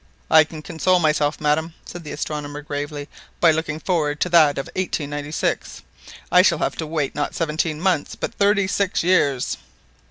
"I can console myself, madam," said the astronomer gravely, "by looking forward to that of 1896. I shall have to wait not seventeen months but thirty six years